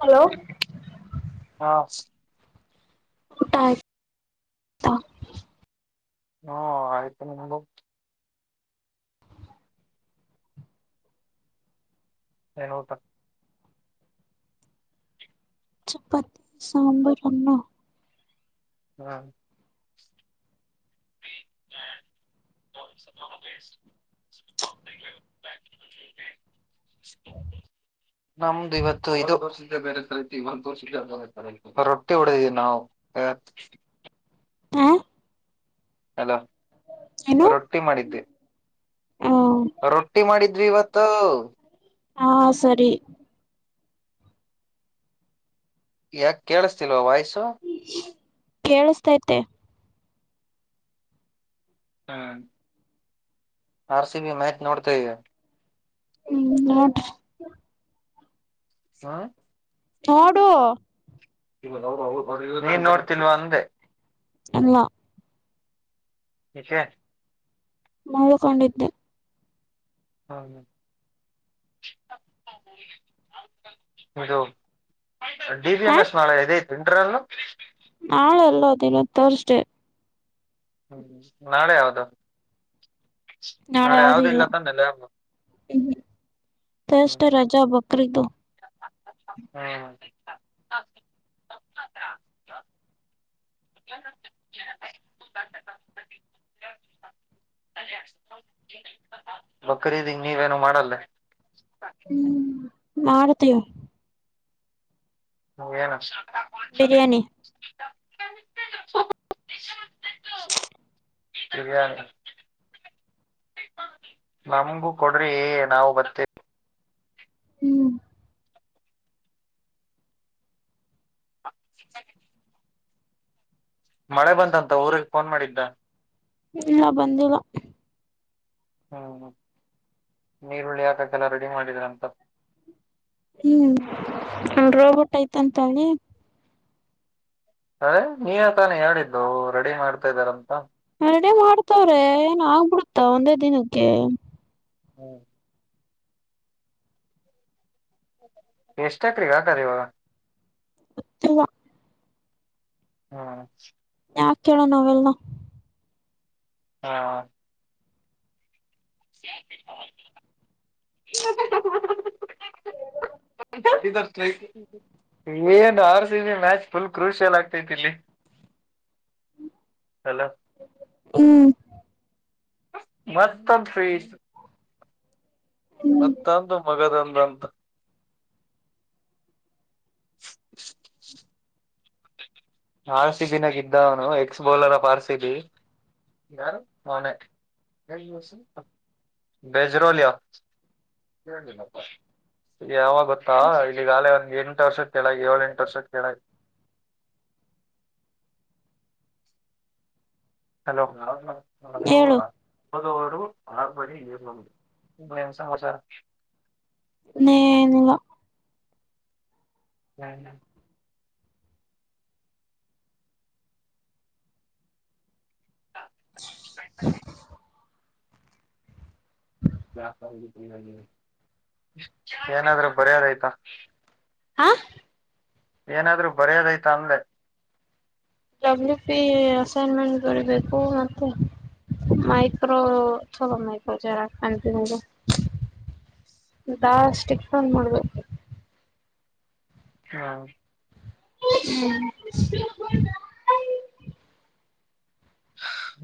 Hello ಹಾ ಊಟ ಆ ಯ್ತಾ ಹ್ಮ ಆಯ್ತು ನಿಮ್ದು ಹ ಹೌದ ಚಪ್ಪತಿ ಸಾಂಬರ್ ಅನ್ನ ಹಾ ಭ [unintelligible] ಬಾಕಿ [unintelligible] ನಮ್ದು ಇವತ್ತು [unintelligible] ಇದ ರೊಟ್ಟಿ ಹೊಡದೀವಿ ನಾವು ಹ ಹ ಹಲೋ ಏನು ರೊಟ್ಟಿ ಮಾಡಿದ್ದೆ. ಹ ರೊಟ್ಟಿ ಮಾಡಿದ್ವಿ ಇವತ್ತು ಹಾ ಸರಿ ಯಾಕ ಕೇಳಿಸ್ತಿಲ್ವಾ ವಾಯ್ಸು ಕೇಳಿಸತೈತೆ ಹ್ಞ ಆರ್ ಸಿ ಬಿ ಮ್ಯಾಚ್ ನೋಡ್ತವೆ. ಹ್ಮ್ ನೋಡ ರೀ ಹ ನೋಡು [unintelligible] ನೀನ್ ನೋಡ್ತಿಲ್ವಾ ಅಂದೆ ಎಲ್ಲ ಕ್ಷ ಮಲ್ಕೊಂಡಿದ್ದೆ ಹಾಂ ಹಾಂ ಹದು ಡಿ ವಿ ಎಂ ಹ ಎಸ್ ನಳ ಎದೈತು ಇಂಟ್ರಲ್ಲ ನಾಳೆ ಅಲ್ಲ ಅದಿಲ್ಲ ತೋರಿಸೆ ಹ್ಮ್ ನಾಳೆ ಯಾವದು ನಾಳೆ ಯಾವ್ದ ಇಲ್ಲ ತನ್ನಲ್ಲ ಅಮ್ಮ ಸಷ್ಟ್ಠ ರಜಾ ಬಕ್ರೀದ್ದ ಹ್ಮ ಹಾ [inaudible] ಬಕರದಿ ನೀವೇನು ಮಾಡಲ್ಲ ಹ್ಮ್ ಮಾಡತೀವಿ ಹ ಏನು ಬಿರಿಯಾನಿ [inaudible] ಸರಿ [inaudible] ನಮಗೂ ಕೊಡ್ರಿ ನಾವು ಬತ್ತೇವಿ ಹ್ಮ್ ಮಳೆ ಬಂತಂತ ಊ್ರಗ್ ಫೋನ್ ಮಾಡಿದ್ದ ಇಲ್ಲ ಬಂದಿಲ್ಲ ಹ್ಮ್ ನೀರುಳ್ಳಿ ಹಾಕಲ್ಲ ರೆಡಿ ಮಾಡಿದ್ರ ಅಂತ ಹ್ಮ್ ರೋಬೋಟ್ ಐ್ತಂತ ಹೇಳಿ ಅದೇ ನೀವ ತಾನೇ ಹೇಳಿದ್ದು ರೆಡಿ ಮಾಡ್ತಾ ಇದಾರಂತ ರೆಡಿ ಮಾಡ್ತವ್ರೆ ಏನ್ ಆಗ್ಬಿಡುತ್ತಾ ಒಂದೇ ದಿನಕ್ಕೆ ಹ್ಞ ನೀ ಎಷ್ಟಕ್ರಿಗೆ ಹಾಕ್ರರಿವ ಇಲ್ಲ ಹಾಂ ಯಾ ಕೇಳೋ ನವೆೆಲ್ನ ಹಾ [unintelligible] ಇದರ್ ಐ ಏನ್ R C B match full crucial ಆಗ್ತೈತಿಲ್ಲಿ ಅಲ್ಲ ಹ್ಮ್ ಮತ್ತೊ [inaudible] ಹ್ಮ್ ಮತ್ತಂದು ಮಗದಂದಂತ [unintelligible] ಆರಸಿಬಿ ನಾಗ ಇದ್ದ ಅವನು ಎಕ್ಸ್ ಬೌಲರ್ ಅಪ್ ಆರಸಿಬಿ ಯಾರು ಮಾನಟ್ ಯ ಬಜರುಲ್ಲಿ ಈಗ ಯಾವಾಗ ಗೊತ್ತಾ ಇಲ್ಲಿಗಾಲೇ ಒಂದ್ ಎಂಟು ವರ್ಷದ ಕೆಳಗ ಏಳ ಎಂಟು ವರ್ಷದ ಕೆಳ ಹಲೋಗ ಹೇಳು ಮದರು ಆರ್ಪಡಿ ಇದು ಸಮಾರ ನೇನಿಲ್ಲ ಹಾ ಹಾ ಹ್ಮ [inaudible] ಏನಾದ್ರೂ ಬರೆದ ಐತ ಹಾ ಏನಾದ್ರು ಬರ್ಯದೈತಾ ಅಂದೆ ಡಬ್ಲಪಿ ಅಸೈನ್ಮೆಂಟ್ ಬರಬೇಕು ಮತ್ತೆ ಮೈಕ್ರೋ ಚ ಮೈಕ್ರೋ ಚರಂತ ದಾಸಕ್ನ್ ಮಾಡಬೇಕ ಹಾ ಹ್ಮ್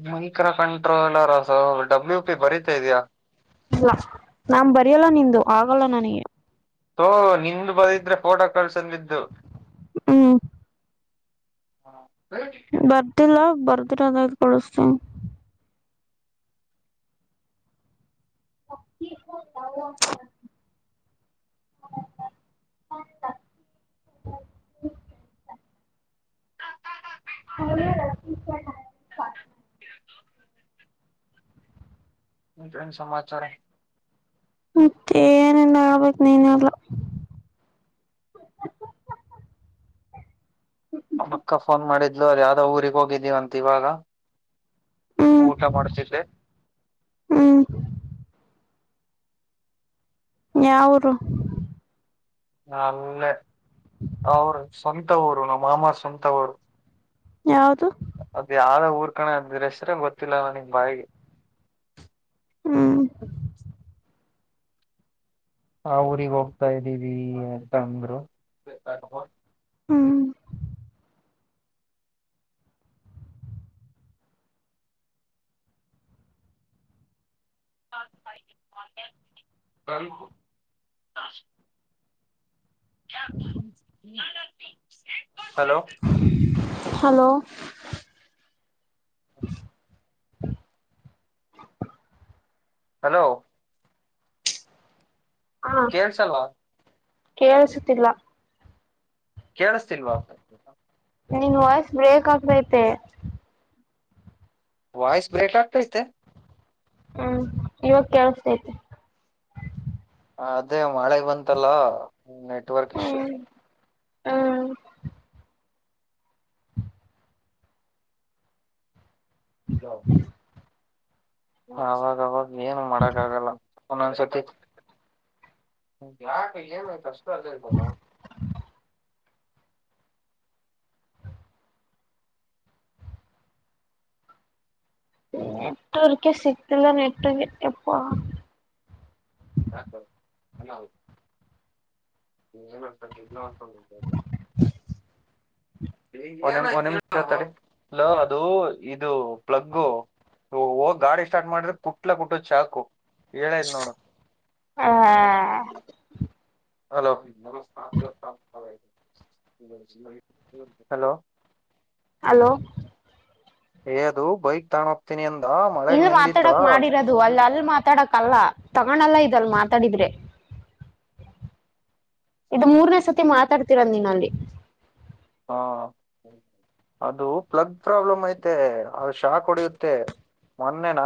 ಮಂಕ್ರಾ ಕಂಟ್ರೋಲರ್ಸ ಡಬ್ಲ್ಯಪಿ ಬರೀತಾ ಇದ್ಯಾ ಇಲ್ಲ ನಾ ಬರಿಯಲ್ಲ ನಿಂದು ಆಗಲ್ಲ ನನಗೆ ಥೂ ನಿನ್ನ ನಂಬರ್ ಇದ್ರೆ ಫೋಟೋ ಕಳುಹಿಸು ಅಂದಿದ್ದು ಹ್ಮ್ ಹ ಹೇಳ ಬರ್ದಿಲ್ಲ ಬರ್ದಿರದೈ ಕಳಿಸತೀನ ಹ ಹೌ ರ [unintelligible] [unintelligible] ಮತ್ತೆನ್ ಸಮಾಚಾರ ಮತ್ತೆ ಏನಿಲ್ಲ ಹೇಳ್ಬೇಕು ನೀನೆ ಎಲ್ಲ ಹ ಅಕ್ಕ ಫೋನ್ ಮಾಡಿದ್ಲು ಅದ ಯಾವ್ದೋ ಊರಿಗೆ ಹೋಗಿದ್ದೀವಂತ ಇವಾಗ ಹ್ಮ್ ಊಟ ಮಾಡ್ತಿದ್ದೆ ಹ್ಮ್ ಯಾವೂರೂ ಅಲ್ಲೇ ಅವರು ಸ್ವಂತ ಊರು ನಮ್ಮ ಮಾಮ ಸ್ವಂತ ಊರು ಯಾವುದು. ಅದ್ ಯಾವ್ದ ಊರ್ ಕಣೆ ಅ ಆದಿದ್ರೆ ಹೆಸ್ರ ಗೊತ್ತಿಲ್ಲ ನಿಮ್ ಬಾಯಿಗೆ. ಹ್ಮ್. ಆ ಊರಿಗೆ ಹೋಗ್ತಾ ಇದೀವಿ ಅಂತ ಅಂದ್ರು ಹ್ಮ್. ಅತ್ು. [unintelligible] ಹಲೋ. ಹಲೋ. ಹಲೋ. ಹಾ ಕೇಳ್ಸಲ್ವಾ ಕೇಳಸುತ್ತಿಲ್ಲ. ಕೇಳಿಸ್ತಿಲ್ವಾ. ನಿನ್ ವಾಯ್ಸ್ ಬ್ರೇಕ್ ಆಗ್ತತೆ. ವ್ಸ್ ಬ್ರೇಕ ಆಗತ ಇತೆ. ಹ್ಮ್ ಇವಾಗ ಕೇಳಸ್ತತಿ. ಅದೇ ಮಳೆ ಬಂತಲ್ಲ ನೆಟ್ವರ್ಕ್ ಇಶ್ಯೂ ಹ್ಮ ಹ ಅವಾಗವಾಗ ಏನು ಮಾಡಕ್ ಆಗಲ್ಲ ಒಂದೊಂದ್ಸತಿ ಯಾಕ ಏನ್ ಆಯ್ತು ಅಷ್ಟ ಅಜ್ರೆಂಟ್ ಹೋದ್ನ ಅವ ಹ ನೆಟ್ ವರ್ಕ ಸಿಗ್ತಿಲ್ಲ ನೆಟ್ಟಗೆ ಎಪ್ಪ ಸಾಕ ಎಲ್ಲ ಹೌದು. ನೀ ಇ ಒರ್. [unintelligible] ಒ ನಿಮಿಷತ್ತಾರೆ ಅಲ್ಲ ಅದು ಇದು ಪ್ಲಗ್ಗು. ಹೋಗಿ ಗಾಡಿ ಸ್ಟಾರ್ಟ್ ಮಾಡ್ರೆುಟ್ಲ ಕುಟ್ಟದ್ ಚಾಕು. ಹೇಳತ ನೋಡ. ಆ ಹಲೋಮ ಹಲೋ. ಹಲೋ. ಹಏ ಅದು ಬೈಕ್ ತಗಾಣ ಹೋಗ್ತೀನಿ ಅಂದ ಮಳಗ್ ನೆಂದಿತ್ತಾ. ದು ಅಲ್ಲಿ ಅಲ್ಲಿ ಮಾತಾಡಕ್ಲ್ಲ ತಗೊಂಡಲ್ಲ ಇದ ಅಲ್ ಮಾತಾಡಿದ್ರೆ. ಇದು ಮೂರ್ನೇ ಸತಿ ಮಾತಾಡ್ತೀರ ನೀನ್ ಅಲ್ಲಿ. ಹಾ ಅದು ಪ್ಲಗ್ ಪ್ರಾಬ್ಲಮ್ ಐತೆ ಅದು ಶಾಕ್ ಹೊಡಿಯುತ್ತೆ ಮೊನ್ನೆನ.